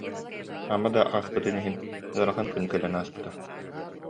Ама да ааспытын иһин, ыарахан күн кэлэн ааспыта